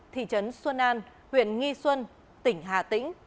thị trấn xuân an huyện nghi xuân tỉnh hà tĩnh